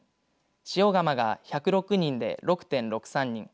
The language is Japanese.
塩釜が１０６人で６．６３人